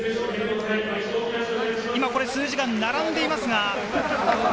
数字が並んでいます。